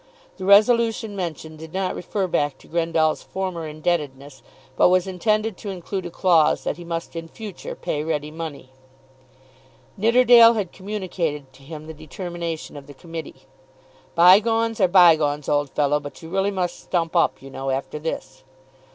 The resolution mentioned did not refer back to Grendall's former indebtedness, but was intended to include a clause that he must in future pay ready money. Nidderdale had communicated to him the determination of the committee. "Bygones are bygones, old fellow; but you really must stump up, you know, after this."